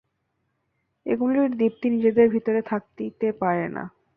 এগুলির দীপ্তি নিজেদের ভিতরে থাকিতে পারে না।